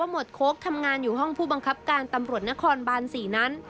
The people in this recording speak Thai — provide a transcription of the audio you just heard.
หวดโค้กทำงานอยู่ห้องผู้บังคับการตำรวจนครบาน๔นั้น